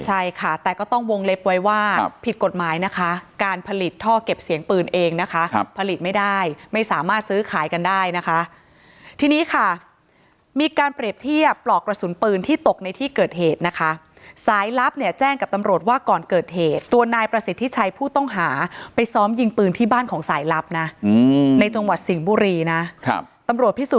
ใช่ค่ะแต่ก็ต้องวงเล็บไว้ว่าผิดกฎหมายนะคะการผลิตท่อเก็บเสียงปืนเองนะคะผลิตไม่ได้ไม่สามารถซื้อขายกันได้นะคะทีนี้ค่ะมีการเปรียบเทียบปลอกกระสุนปืนที่ตกในที่เกิดเหตุนะคะสายลับเนี่ยแจ้งกับตำรวจว่าก่อนเกิดเหตุตัวนายประสิทธิชัยผู้ต้องหาไปซ้อมยิงปืนที่บ้านของสายลับนะในจังหวัดสิงห์บุรีนะครับตำรวจพิสู